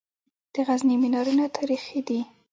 د غزني منارونه تاریخي دي